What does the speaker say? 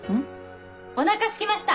お腹すきました！